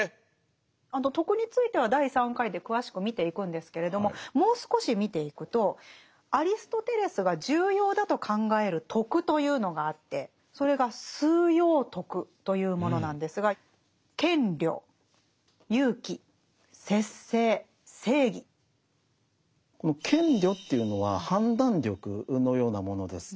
徳については第３回で詳しく見ていくんですけれどももう少し見ていくとアリストテレスが重要だと考える徳というのがあってそれが「枢要徳」というものなんですがこの「賢慮」っていうのは判断力のようなものです。